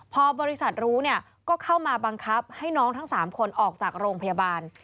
พอบริษัทรู้เนี่ยก็เข้ามาบังคับให้น้องทั้ง๓คนออกจากโรงพยาบาล